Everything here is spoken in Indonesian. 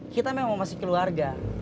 kita memang masih keluarga